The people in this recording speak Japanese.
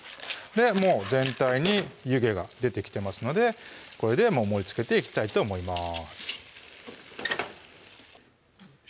もう全体に湯気が出てきてますのでこれで盛りつけていきたいと思います